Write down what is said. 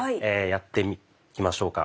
やっていきましょうか。